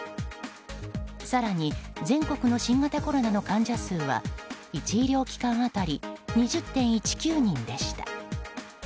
更に全国の新型コロナの患者数は１医療機関当たり２０．１９人でした。